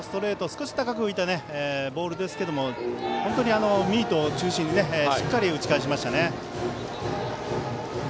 少し高く浮いたボールですが本当にミート中心にしっかり打ち返しました。